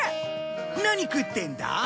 何食ってんだ？